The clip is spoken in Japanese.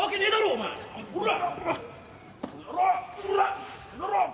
おら！